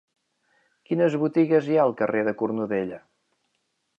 Quines botigues hi ha al carrer de Cornudella?